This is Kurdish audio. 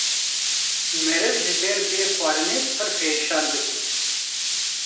Meriv ji ber bê xwarinê pirr perîşan dibûn.